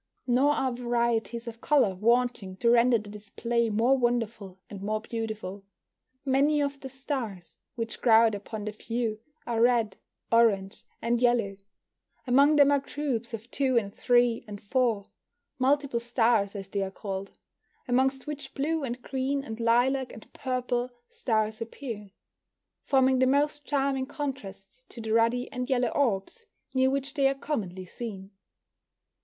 Nor are varieties of colour wanting to render the display more wonderful and more beautiful. Many of the stars which crowd upon the view are red, orange, and yellow Among them are groups of two and three and four (multiple stars as they are called), amongst which blue and green and lilac and purple stars appear, forming the most charming contrast to the ruddy and yellow orbs near which they are commonly seen.